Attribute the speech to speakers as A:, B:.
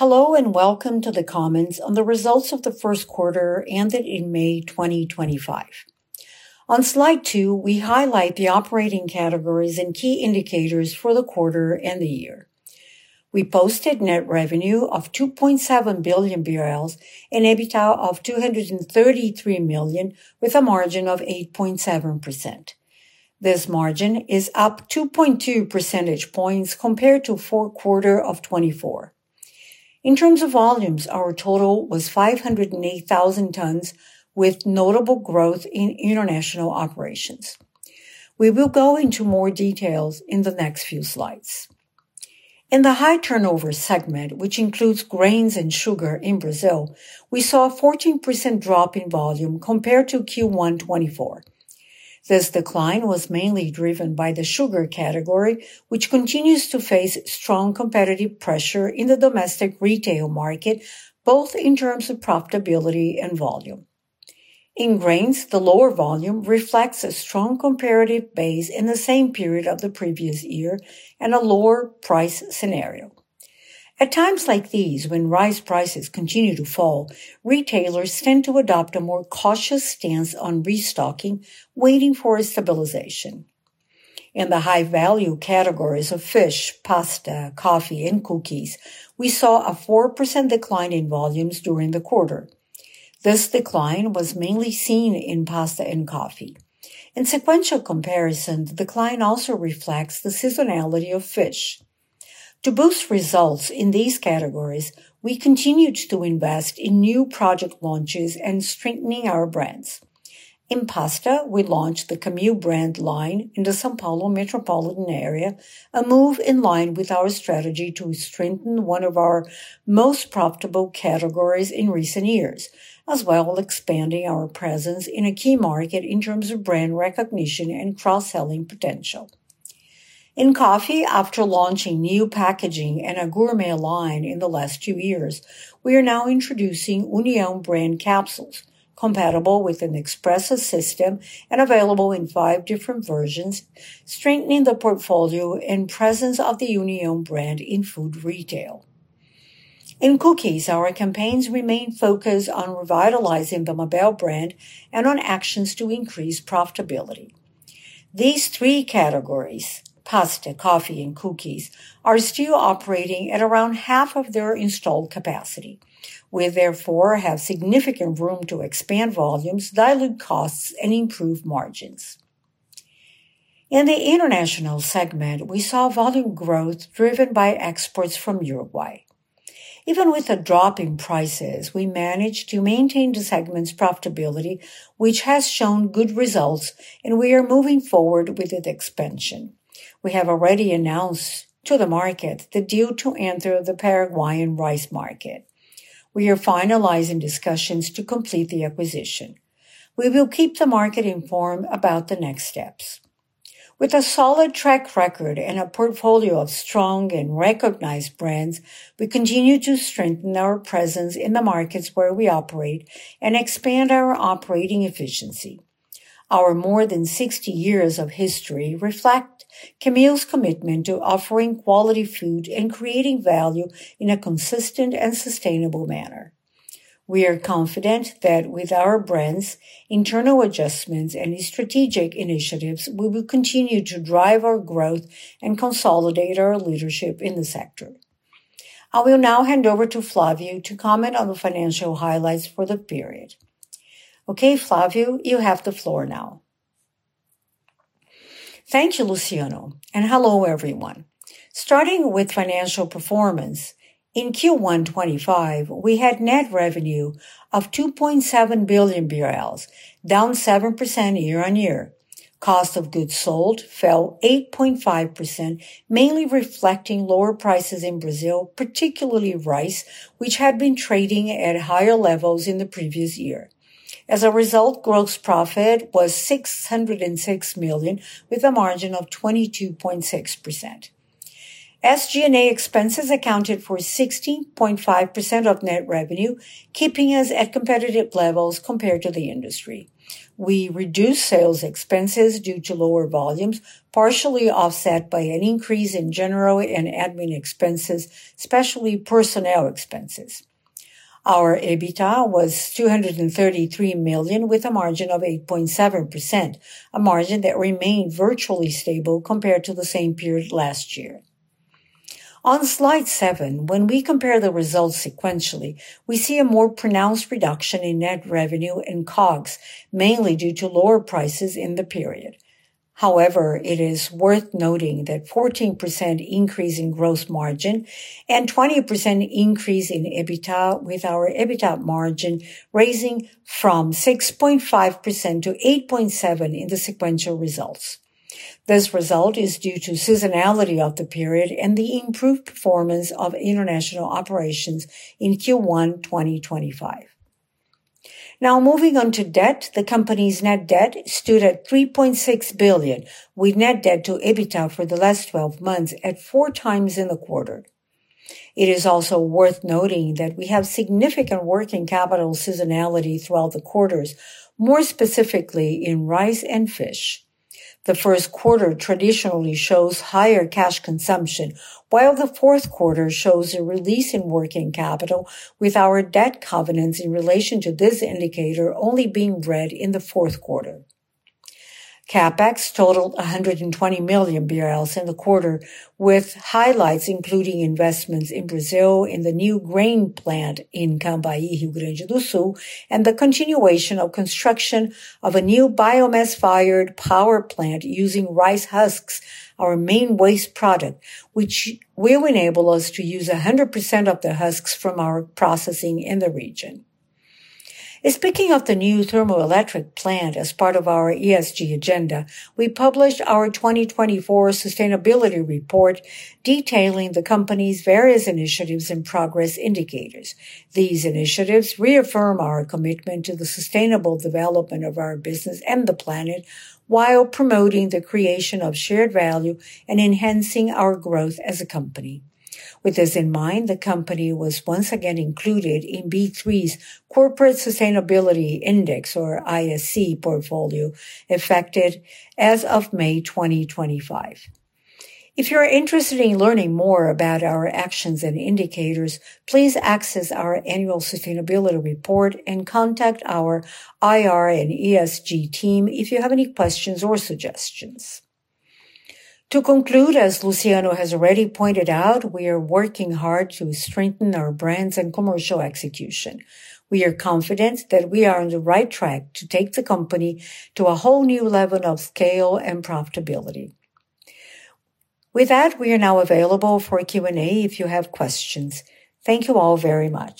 A: Hello and welcome to the comments on the results of the first quarter and in May 2025. On slide two, we highlight the operating categories and key indicators for the quarter and the year. We posted net revenue of 2.7 billion BRL and EBITDA of 233 million, with a margin of 8.7%. This margin is up 2.2 percentage points compared to Q4 of 2024. In terms of volumes, our total was 508,000 tons, with notable growth in international operations. We will go into more details in the next few slides. In the high turnover segment, which includes grains and sugar in Brazil, we saw a 14% drop in volume compared to Q1 2024. This decline was mainly driven by the Sugar category, which continues to face strong competitive pressure in the domestic retail market, both in terms of profitability and volume. In Grains, the lower volume reflects a strong comparative base in the same period of the previous year and a lower price scenario. At times like these, when rice prices continue to fall, retailers tend to adopt a more cautious stance on restocking, waiting for a stabilization. In the high value categories of Fish, Pasta, Coffee, and Cookies, we saw a 4% decline in volumes during the quarter. This decline was mainly seen in Pasta and Coffee. In sequential comparison, the decline also reflects the seasonality of Fish. To boost results in these categories, we continued to invest in new project launches and strengthening our brands. In pasta, we launched the Camil brand line in the São Paulo metropolitan area, a move in line with our strategy to strengthen one of our most profitable categories in recent years, as well as expanding our presence in a key market in terms of brand recognition and cross-selling potential. In Coffee, after launching new packaging and a gourmet line in the last few years, we are now introducing União brand capsules, compatible with Nespresso system and available in five different versions, strengthening the portfolio and presence of the União brand in food retail. In Cookies, our campaigns remain focused on revitalizing the Mabel brand and on actions to increase profitability. These three categories, Pasta, Coffee, and Cookies, are still operating at around half of their installed capacity. We therefore have significant room to expand volumes, dilute costs, and improve margins. In the International segment, we saw volume growth driven by exports from Uruguay. Even with the drop in prices, we managed to maintain the segment's profitability, which has shown good results, and we are moving forward with its expansion. We have already announced to the market the deal to enter the Paraguayan rice market. We are finalizing discussions to complete the acquisition. We will keep the market informed about the next steps. With a solid track record and a portfolio of strong and recognized brands, we continue to strengthen our presence in the markets where we operate and expand our operating efficiency. Our more than 60 years of history reflect Camil's commitment to offering quality food and creating value in a consistent and sustainable manner. We are confident that with our brands, internal adjustments, and strategic initiatives, we will continue to drive our growth and consolidate our leadership in the sector. I will now hand over to Flávio to comment on the financial highlights for the period. Okay, Flávio, you have the floor now.
B: Thank you, Luciano, and hello everyone. Starting with financial performance, in Q1 2025, we had net revenue of 2.7 billion BRL, down 7% year on year. Cost of goods sold fell 8.5%, mainly reflecting lower prices in Brazil, particularly rice, which had been trading at higher levels in the previous year. As a result, gross profit was 606 million, with a margin of 22.6%. SG&A expenses accounted for 16.5% of net revenue, keeping us at competitive levels compared to the industry. We reduced sales expenses due to lower volumes, partially offset by an increase in general and admin expenses, especially personnel expenses. Our EBITDA was 233 million, with a margin of 8.7%, a margin that remained virtually stable compared to the same period last year. On slide seven, when we compare the results sequentially, we see a more pronounced reduction in net revenue and COGS, mainly due to lower prices in the period. However, it is worth noting that 14% increase in gross margin and 20% increase in EBITDA, with our EBITDA margin raising from 6.5% to 8.7% in the sequential results. This result is due to seasonality of the period and the improved performance of international operations in Q1 2025. Now moving on to debt, the company's net debt stood at 3.6 billion, with net debt to EBITDA for the last 12 months at four times in the quarter. It is also worth noting that we have significant working capital seasonality throughout the quarters, more specifically in rice and fish. The first quarter traditionally shows higher cash consumption, while the fourth quarter shows a release in working capital, with our debt covenants in relation to this indicator only being read in the fourth quarter. CapEx totaled 120 million BRL in the quarter, with highlights including investments in Brazil in the new grain plant in Cambaí, Rio Grande do Sul and the continuation of construction of a new biomass-fired power plant using rice husks, our main waste product, which will enable us to use 100% of the husks from our processing in the region. Speaking of the new thermoelectric plant as part of our ESG agenda, we published our 2024 sustainability report detailing the company's various initiatives and progress indicators. These initiatives reaffirm our commitment to the sustainable development of our business and the planet while promoting the creation of shared value and enhancing our growth as a company. With this in mind, the company was once again included in B3's Corporate Sustainability Index, or ISE, portfolio effective as of May 2025. If you're interested in learning more about our actions and indicators, please access our annual sustainability report and contact our IR and ESG team if you have any questions or suggestions. To conclude, as Luciano has already pointed out, we are working hard to strengthen our brands and commercial execution. We are confident that we are on the right track to take the company to a whole new level of scale and profitability. With that, we are now available for Q&A if you have questions. Thank you all very much.